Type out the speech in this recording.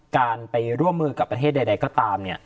การไปร่วมมือกับประเทศใดก็ตาม